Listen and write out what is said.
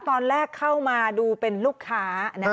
ตอนแรกเข้ามาดูเป็นลูกค้า